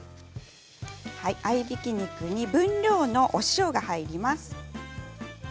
合いびき肉に分量のお塩が入ります。